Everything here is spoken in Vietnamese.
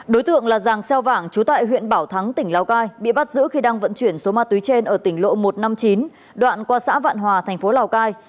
đối tượng là giàng xeo vàng chú tại huyện bảo thắng tỉnh lào cai bị bắt giữ khi đang vận chuyển số ma túy trên ở tỉnh lộ một trăm năm mươi chín đoạn qua xã vạn hòa thành phố lào cai